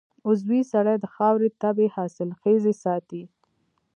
عضوي سرې د خاورې طبعي حاصلخېزي ساتي.